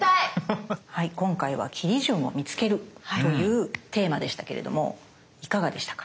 今回は切り順を見つけるというテーマでしたけれどもいかがでしたか？